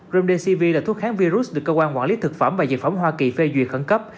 grem decv là thuốc kháng virus được cơ quan quản lý thực phẩm và dược phẩm hoa kỳ phê duyệt khẩn cấp